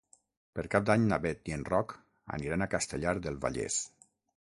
Per Cap d'Any na Bet i en Roc aniran a Castellar del Vallès.